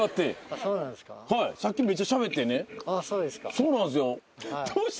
そうなんですよ。